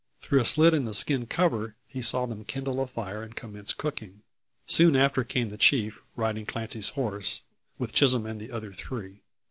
Through a slit in the skin cover he saw them kindle a fire and commence cooking. Soon after came the chief, riding Clancy's horse, with Chisholm and the other three.